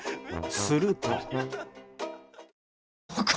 すると。